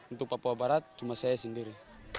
untuk papua barat cuma saya sendiri